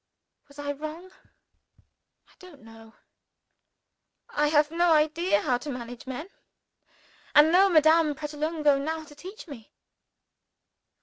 Was I wrong? I don't know! I have no idea how to manage men and no Madame Pratolungo now to teach me.